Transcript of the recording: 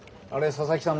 佐々木さん